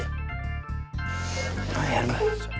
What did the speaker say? jangan ya bang